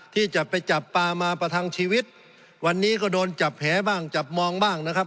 ที่จะไปจับปลามาประทังชีวิตวันนี้ก็โดนจับแหบ้างจับมองบ้างนะครับ